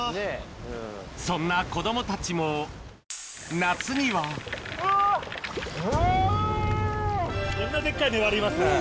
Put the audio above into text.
そんな子供たちも夏にはこんなデッカいメバルいますね